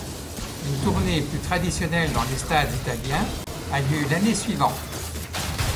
Une tournée plus traditionnelle dans les stades italiens a lieu l’année suivante.